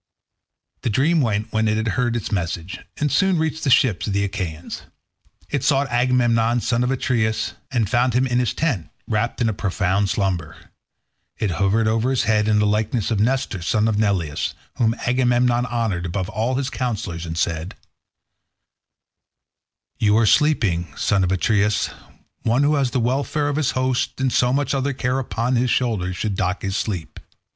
The dream went when it had heard its message, and soon reached the ships of the Achaeans. It sought Agamemnon son of Atreus and found him in his tent, wrapped in a profound slumber. It hovered over his head in the likeness of Nestor, son of Neleus, whom Agamemnon honoured above all his councillors, and said:— "You are sleeping, son of Atreus; one who has the welfare of his host and so much other care upon his shoulders should dock his sleep.